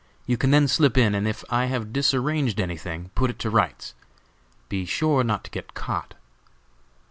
You can then slip in, and if I have disarranged anything, put it to rights. Be sure not to get caught!"